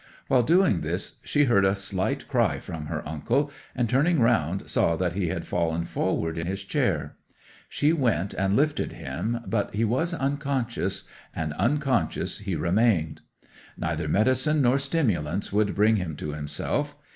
While doing this she heard a slight cry from her uncle, and turning round, saw that he had fallen forward in his chair. She went and lifted him, but he was unconscious; and unconscious he remained. Neither medicine nor stimulants would bring him to himself.